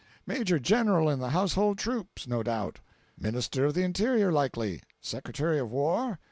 "Major General in the household troops, no doubt? Minister of the Interior, likely? Secretary of war?